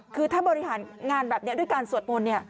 คือถ้าบริหารงานแบบนี้ด้วยการสวดมนต์เนี่ย